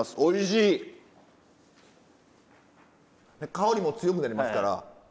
香りも強くなりますから。